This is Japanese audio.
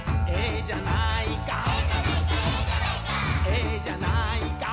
「ええじゃないか」